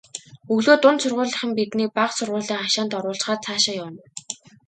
Өглөө дунд сургуулийнхан биднийг бага сургуулийн хашаанд оруулчихаад цаашаа явна.